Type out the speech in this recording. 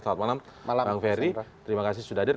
selamat malam bang ferry terima kasih sudah hadir